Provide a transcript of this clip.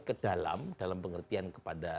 ke dalam dalam pengertian kepada